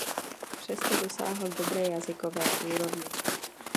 Přesto dosáhl dobré jazykové úrovně.